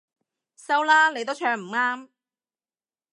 收啦，你都唱唔啱